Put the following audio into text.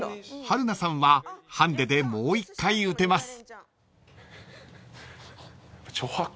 ［春菜さんはハンディでもう一回打てます］